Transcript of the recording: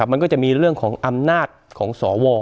มันก็จะมีเรื่องของอำนาจของสว